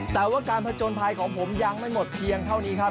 แต่ว่าการผจญภัยของผมยังไม่หมดเพียงเท่านี้ครับ